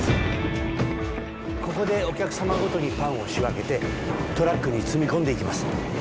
ここでお客様ごとにパンを仕分けてトラックに積み込んでいきます